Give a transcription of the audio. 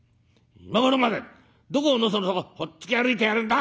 『今頃までどこをのそのそほっつき歩いてやがるんだ！』